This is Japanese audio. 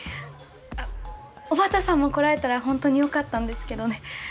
あっ小畑さんも来られたらほんとによかったんですけどね。